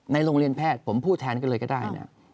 โรงเรียนแพทย์ผมพูดแทนก็เลยก็ได้นะ